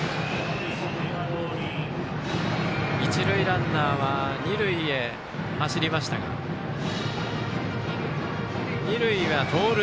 一塁ランナーは二塁へ走りましたが二塁が盗塁。